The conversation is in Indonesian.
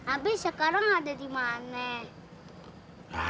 abis sekarang ada dimana